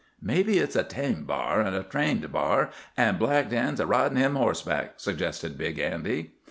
"Mebbe it's a tame b'ar, a trained b'ar, an' Black Dan's a ridin' him horseback," suggested Big Andy.